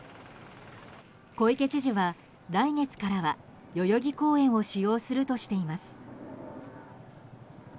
小池知事は、来月からは代々木公園を使用するとしています。